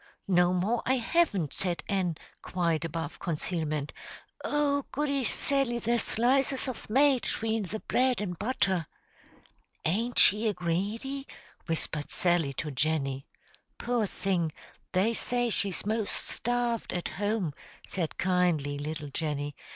"No more I haven't," said Ann, quite above concealment. "Oh, goody, Sally, there's slices of mate atween the bread an' butter!" "Ain't she a greedy?" whispered Sally to Jenny. "Poor thing! they say she's most starved at home," said kindly little Jenny.